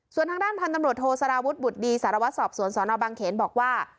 ส่วนทางด้านพันธุ์ตำรวจโทสารวุฒิบุตรดีสารวัตรสอบสวนสนบางเขนบอกว่า